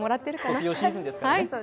卒業シーズンですね。